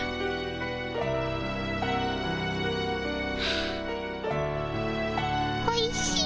あおいしい。